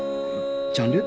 ジャンル？